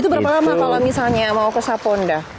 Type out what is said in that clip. itu berapa lama kalau misalnya mau ke saponda